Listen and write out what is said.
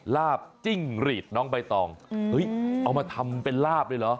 ลาบจิ้งหรีดน้องใบตองเอามาทำเป็นลาบเลยเหรอ